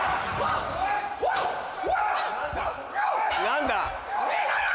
何だ？